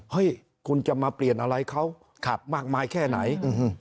เฮ้ยคุณจะมาเปลี่ยนอะไรเขามากมายแค่ไหน